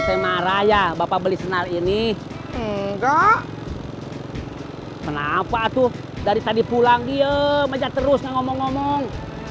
tema raya bapak beli senar ini enggak kenapa tuh dari tadi pulang dia meja terus ngomong ngomong